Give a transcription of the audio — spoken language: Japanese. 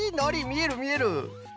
みえるみえる！